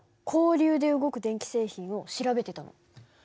交流で動く電気製品を調べてたの。